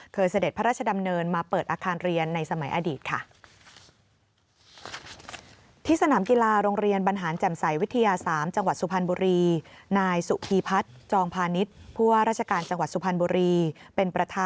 เสด็จพระราชดำเนินมาเปิดอาคารเรียนในสมัยอดีตค่ะ